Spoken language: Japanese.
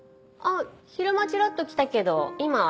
昼間ちらっと来たけど今はいないよ。